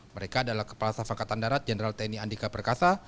mereka adalah kepala staf angkatan darat jenderal tni andika perkasa